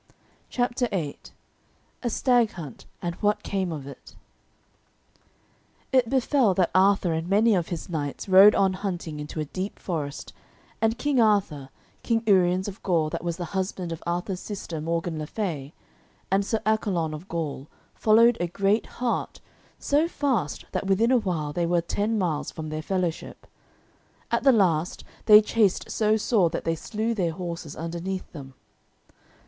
CHAPTER VIII A STAG HUNT AND WHAT CAME OF IT It befell that Arthur and many of his knights rode on hunting into a deep forest, and King Arthur, King Uriens of Gore that was the husband of Arthur's sister Morgan le Fay, and Sir Accolon of Gaul followed a great hart so fast that within a while they were ten miles from their fellowship. At the last they chased so sore that they slew their horses underneath them.